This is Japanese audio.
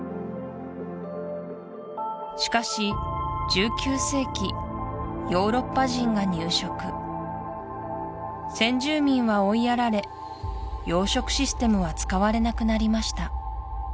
しかし１９世紀ヨーロッパ人が入植先住民は追いやられ養殖システムは使われなくなりました